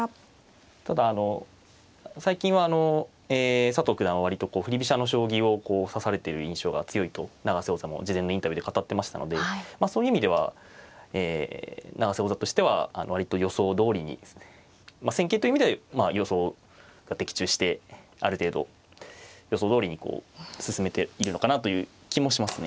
ただ最近はえ佐藤九段は割と振り飛車の将棋を指されている印象が強いと永瀬王座も事前のインタビューで語ってましたのでそういう意味では永瀬王座としては割と予想どおりに戦型という意味で予想が的中してある程度予想どおりに進めているのかなという気もしますね。